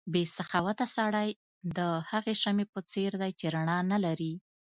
بې سخاوته سړی د هغې شمعې په څېر دی چې رڼا نه لري.